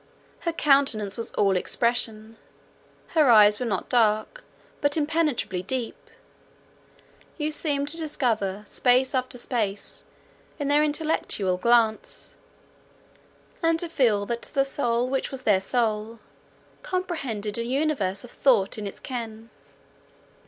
Her countenance was all expression; her eyes were not dark, but impenetrably deep; you seemed to discover space after space in their intellectual glance, and to feel that the soul which was their soul, comprehended an universe of thought in its ken.